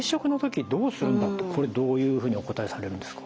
これどういうふうにお答えされるんですか？